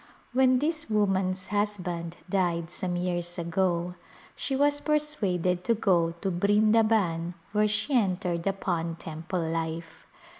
When this woman's husband died some years ago she was persuaded to go to Brindaban where she en tered upon temple life.